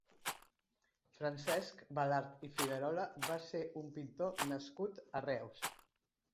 Francesc Balart i Figuerola va ser un pintor nascut a Reus.